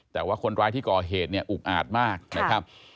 แต่ว่าคนร้ายที่ก่อเหตุเนี่ยอุกอาจมากนะครับ